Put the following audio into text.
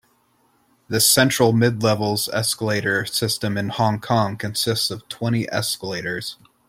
The Central-Midlevels escalator system in Hong Kong consists of twenty escalators.